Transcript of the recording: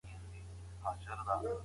اسلام د فردي هڅو درناوی کوي.